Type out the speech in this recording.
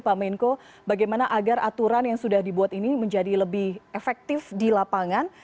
pak menko bagaimana agar aturan yang sudah dibuat ini menjadi lebih efektif di lapangan